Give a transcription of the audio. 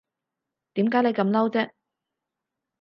點解你咁嬲啫